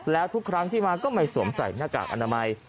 แล้วทุกครั้งที่มาก็ไม่สวมใส่หน้ากากอนามัย